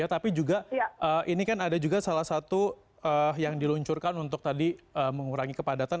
tapi juga ini kan ada juga salah satu yang diluncurkan untuk tadi mengurangi kepadatan